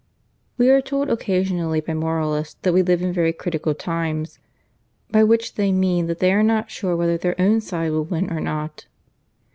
We are told occasionally by moralists that we live in very critical times, by which they mean that they are not sure whether their own side will win or not.